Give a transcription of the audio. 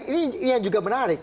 secara politik ini yang juga menarik